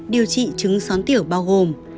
điều trị chứng xón tiểu bao gồm